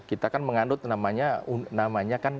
kita kan mengandut namanya kan kepastian hukum